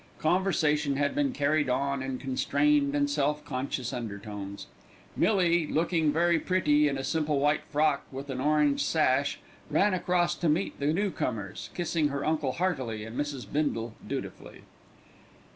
Conversation had been carried on in constrained and self conscious undertones. Milly, looking very pretty in a simple white frock with an orange sash, ran across to greet the newcomers, kissing her uncle heartily and Mrs. Bindle dutifully.